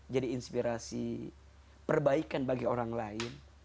jadi inspirasi perbaikan bagi orang lain